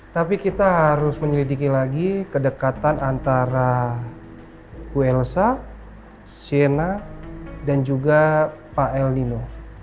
tapi kita harus menyelidiki lagi kedekatan antara wlsa shena dan juga pak el nino